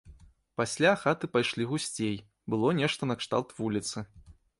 Пасля хаты пайшлі гусцей, было нешта накшталт вуліцы.